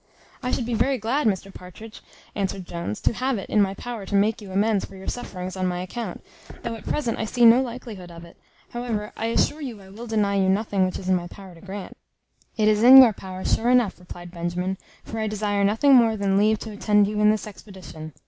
"I should be very glad, Mr Partridge," answered Jones, "to have it in my power to make you amends for your sufferings on my account, though at present I see no likelihood of it; however, I assure you I will deny you nothing which is in my power to grant." "It is in your power sure enough," replied Benjamin; "for I desire nothing more than leave to attend you in this expedition.